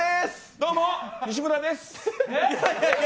どうも、西村です。